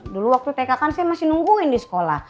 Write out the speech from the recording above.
dulu waktu tk kan saya masih nungguin di sekolah